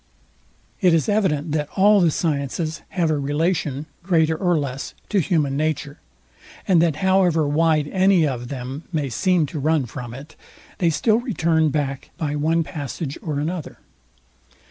It is evident, that all the sciences have a relation, greater or less, to human nature: and that however wide any of them may seem to run from it, they still return back by one passage or another.